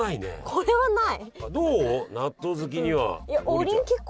これはない。